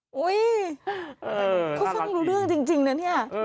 เฮ้ยเขาฟังรู้เรื่องจริงนะเนี่ย